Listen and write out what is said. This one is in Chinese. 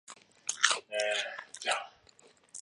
科纳布鲁克是加拿大纽芬兰岛西岸的一座城市。